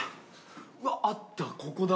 うわあったここだ。